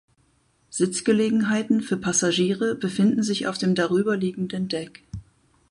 Sitzgelegenheiten für Passagiere befinden sich auf dem darüberliegenden Deck.